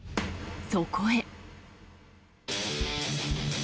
そこへ。